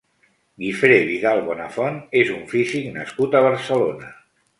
Guifré Vidal Bonafont és un físic nascut a Barcelona.